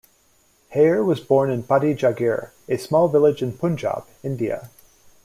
Hayer was born in Paddi Jagir, a small village in Punjab, India.